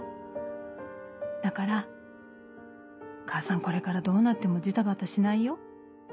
「だから母さんこれからどうなってもジタバタしないよ。